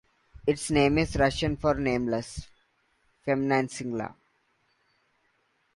Its name is Russian for "nameless" (feminine singular).